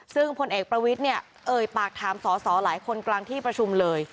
ซึ่งพลเอกประวิทย์เนี่ยเอ่ยปากถามสอสอหลายคนกลางที่ประชุมเลย